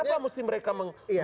kenapa mesti mereka mengatakan